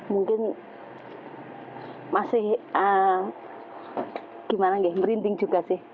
mungkin masih gimana merinding juga sih